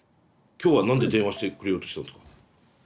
今日は何で電話してくれようとしたんですか？